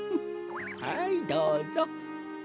はいどうぞ。